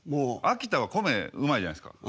秋田は米うまいじゃないですか。